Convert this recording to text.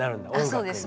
あそうです。